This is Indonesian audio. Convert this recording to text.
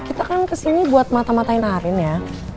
kita kan kesini buat mata matain arin ya